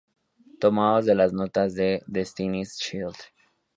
Tomados de las notas de "Destiny's Child".